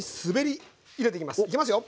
いきますよ。